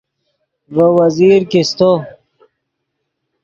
ڤے وزیر کیستو